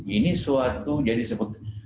ini suatu jadi sebuah masalah